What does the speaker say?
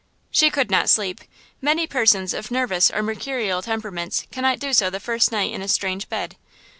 She could not sleep–many persons of nervous or mercurial temperaments cannot do so the first night in a strange bed.